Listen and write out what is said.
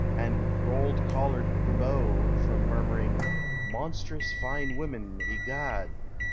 " and rolled collared beaux from murmur ing " monstrous fine women, egad !